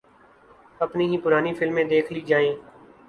اپنی ہی پرانی فلمیں دیکھ لی جائیں۔